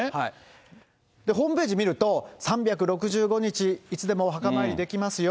ホームページ見ると３６５日いつでもお墓参りできますよ。